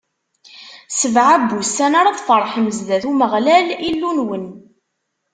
Sebɛa n wussan ara tfeṛḥem zdat n Umeɣlal, Illu-nwen.